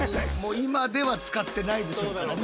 今では使ってないでしょうからね。